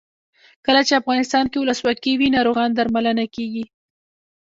کله چې افغانستان کې ولسواکي وي ناروغان درملنه کیږي.